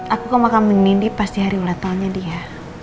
aku ke makamnya nindi pas di hari ulat tolnya dia